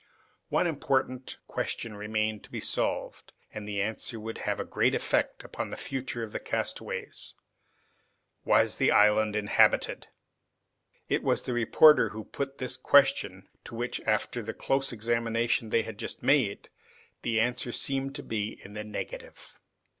One important question remained to be solved, and the answer would have a great effect upon the future of the castaways. Was the island inhabited? It was the reporter who put this question, to which after the close examination they had just made, the answer seemed to be in the negative.